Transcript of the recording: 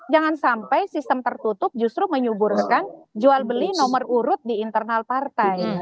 jangan sampai sistem tertutup justru menyuburkan jual beli nomor urut di internal partai